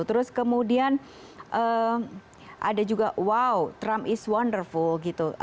terus kemudian ada juga wow trump is wonderful gitu